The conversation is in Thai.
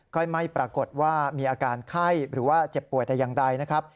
ก็ไม่ปรากฏว่ามีอาการไข้หรือว่าเจ็บป่วยแต่อย่างใดนะครับ